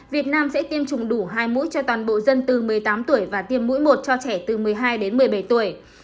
việt nam sẽ tiêm chủng đủ hai mũi cho toàn bộ dân từ một mươi tám tuổi và tiêm mũi một cho trẻ từ một mươi hai đến một mươi bảy tuổi